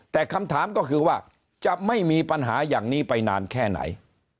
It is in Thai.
แต่คำถามก็คือว่าจะไม่มีปัญหาอย่างนี้ไปนานแค่ไหน